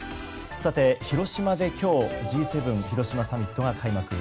さて、広島で今日Ｇ７広島サミットが開幕。